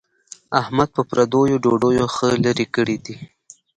احمد په پردیو ډوډیو ښه لری کړی دی.